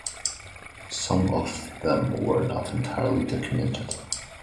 Some of them were not entirely documented.